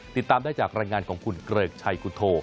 ติดตามได้จากรายงานของคุณเกริกชัยคุณโท